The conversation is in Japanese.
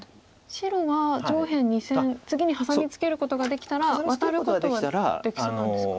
白は上辺２線次にハサミツケることができたらワタることはできそうなんですか。